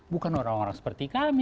bukan orang orang seperti kami